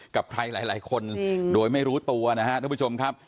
กับใครหลายคนโดยไม่รู้ตัวนะครับทุกผู้ชมครับ